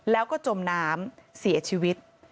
แล้วก็จมน้ำเสียชีวิต